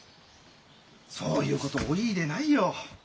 そういう事をお言いでないよ。